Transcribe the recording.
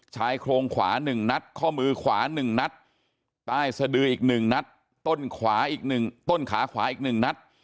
ชายโครงขวา๑นัทข้อมือขวา๑นัทใต้สดืออีก๑นัทต้นขาขวาอีก๑นัท